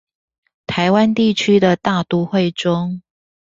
台灣地區的大都會中